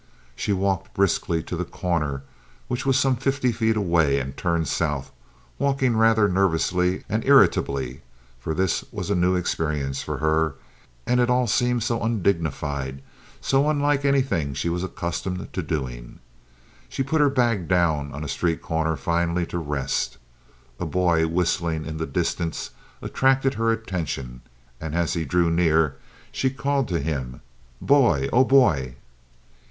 She walked briskly to the corner, which was some fifty feet away, and turned south, walking rather nervously and irritably, for this was a new experience for her, and it all seemed so undignified, so unlike anything she was accustomed to doing. She put her bag down on a street corner, finally, to rest. A boy whistling in the distance attracted her attention, and as he drew near she called to him: "Boy! Oh, boy!"